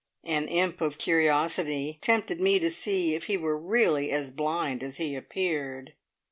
An imp of curiosity tempted me to see if he were really as blind as he appeared.